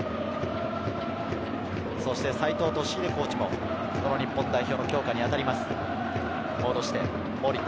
そして齊藤俊秀コーチも日本代表の強化にあたります。